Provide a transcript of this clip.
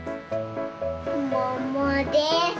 ももです。